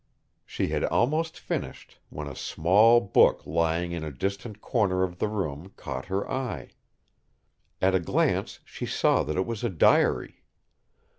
She had almost finished when a small book lying in a distant corner of the room caught her eye. At a glance she saw that it was a diary.